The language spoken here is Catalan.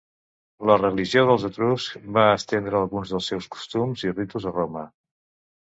La religió dels etruscs va estendre alguns dels seus costums i ritus a Roma.